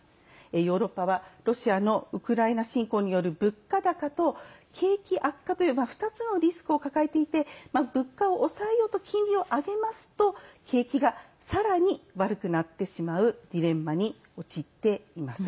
ヨーロッパはロシアのウクライナ侵攻による物価高と景気悪化という２つのリスクを抱えていて物価を抑えようと金利を上げると景気が、さらに悪くなってしまうジレンマに陥っています。